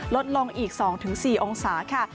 ลดลงอีก๒๔องศา